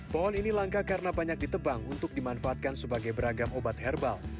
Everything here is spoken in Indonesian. pohon ini langka karena banyak ditebang untuk dimanfaatkan sebagai beragam obat herbal